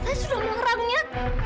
saya sudah mengharangnya